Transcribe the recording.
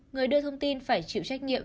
người đưa thông tin phải chịu trách nhiệm